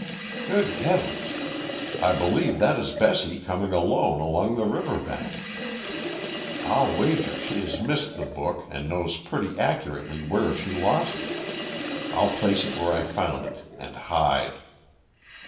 Good heavens! I believe that is Bessie coming alone along the river bank. I'll wager she has missed the book and knows pretty accurately where she lost it. I'll place it where I found it, and hide."